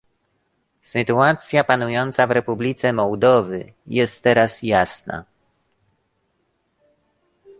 Sytuacja panująca w Republice Mołdowy jest teraz jasna